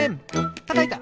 たたいた！